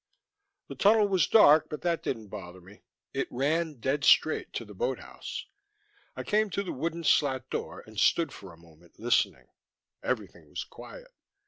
The tunnel was dark but that didn't bother me. It ran dead straight to the boathouse. I came to the wooden slat door and stood for a moment, listening; everything was quiet.